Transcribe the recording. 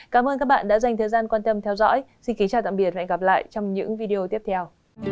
cảm ơn các bạn đã dành thời gian quan tâm theo dõi xin kính chào tạm biệt và hẹn gặp lại trong những video tiếp theo